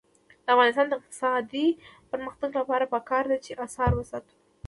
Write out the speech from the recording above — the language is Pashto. د افغانستان د اقتصادي پرمختګ لپاره پکار ده چې اثار وساتو.